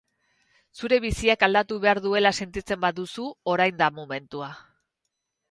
Zure biziak aldatu behar duela sentitzen baduzu, orain da momentua.